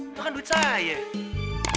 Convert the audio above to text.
itu kan duit saya